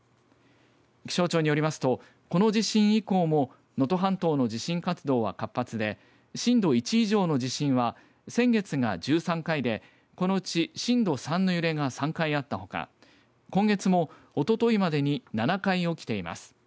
気象庁によりますとこの地震以降も能登半島の地震活動は活発で震度１以上の地震は先月が１３回でこのうち震度３の揺れが３回あったほか今月も、おとといまでに７回、起きています。